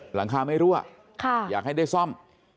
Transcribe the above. หลังคาไม่รั่วอยากให้ได้ซ่อม